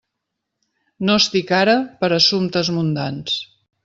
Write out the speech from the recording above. No estic ara per a assumptes mundans.